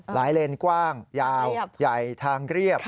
เลนกว้างยาวใหญ่ทางเรียบ